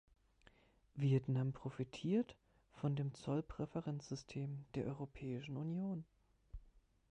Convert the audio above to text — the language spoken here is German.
Vietnam profitiert von dem Zollpräferenzsystem der Europäischen Union.